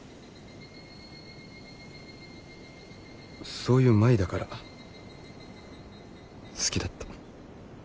そういう舞だから好きだった。